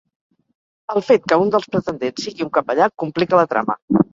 El fet que un dels pretendents sigui un capellà complica la trama.